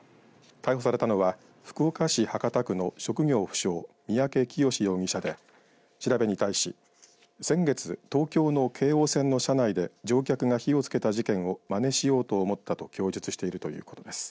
逮捕されたのは福岡市博多区の職業不詳、三宅潔容疑者で調べに対し先月、東京の京王線の車内で乗客が火をつけた事件をまねしようと思ったと供述しているということです。